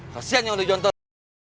kasian yang lu jontor